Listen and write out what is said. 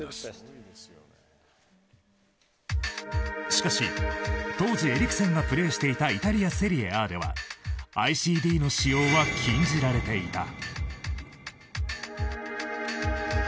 しかし、当時エリクセンがプレーしていたイタリア・セリエＡではＩＣＤの使用は禁じられていた。